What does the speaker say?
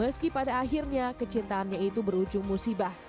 meski pada akhirnya kecintaannya itu berujung musibah